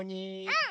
うん！